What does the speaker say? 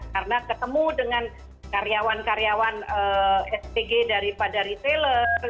karena ketemu dengan karyawan karyawan spg daripada retailer